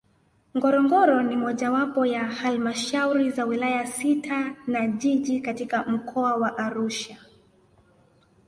Ngorongoro ni mojawapo ya Halmashauri za Wilaya sita na Jiji katika Mkoa wa Arusha